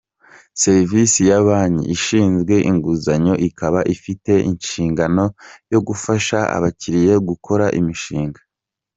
Serivisi ya Banki, ishinzwe inguzanyo ikaba ifite inshingano yo gufasha abakiriya gukora imishinga.